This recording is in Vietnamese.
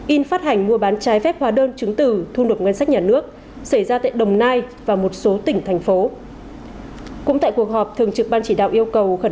in phát hành mua bán trái phép hóa đơn chứng từ thu nộp ngân sách nhà nước xảy ra tại đồng nai và một số tỉnh thành phố